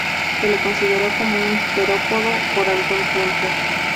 Se lo consideró como un terópodo por algún tiempo.